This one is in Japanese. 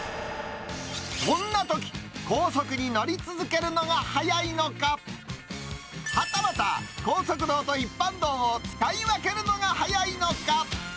そんなとき、高速に乗り続けるのが早いのか、はたまた、高速道と一般道を使い分けるのが早いのか。